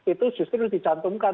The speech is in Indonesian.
itu justru dicantumkan